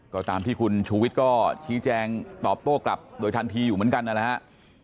ก็ตามที่คุณชูวิทย์ก็ชี้แจงตอบโต้กลับโดยทันทีอยู่เหมือนกันนะฮะ